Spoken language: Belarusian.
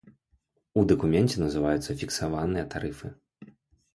У дакуменце называюцца фіксаваныя тарыфы.